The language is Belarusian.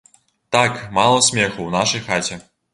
Так, мала смеху ў нашай хаце.